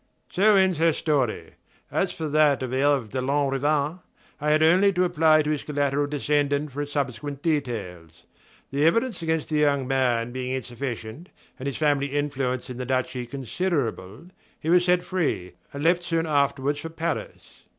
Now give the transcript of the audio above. So ends her story. As for that of Herve de Lanrivain, I had only to apply to his collateral descendant for its subsequent details. The evidence against the young man being insufficient, and his family influence in the duchy considerable, he was set free, and left soon afterward for Paris.